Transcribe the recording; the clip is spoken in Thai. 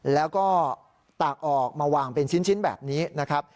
แล้วก็ตากออกมาวางเป็นชิ้นแบบนี้นะครับ